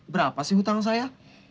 berapa sih hutang saya